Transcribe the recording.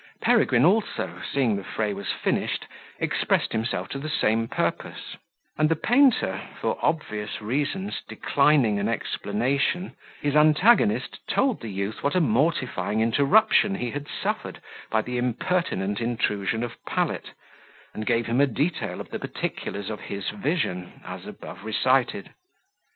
Peregrine also, seeing the fray was finished, expressed himself to the same purpose; and the painter, for obvious reasons, declining an explanation, his antagonist told the youth what a mortifying interruption he had suffered by the impertinent intrusion of Pallet, and gave him a detail of the particulars of his vision, as above recited.